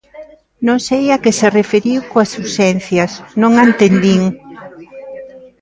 Non sei a que se referiu coas urxencias, non a entendín.